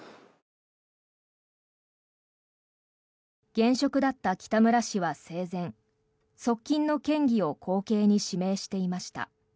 現職だった北村氏は生前側近の県議を後継に指名していました。